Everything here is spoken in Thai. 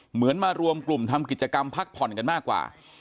เหมือนมารวมกลุ่มทำกิจกรรมพักผ่อนกันมากกว่า